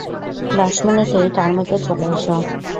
দশ মিনিটেই টার্মেকে চলে এসো।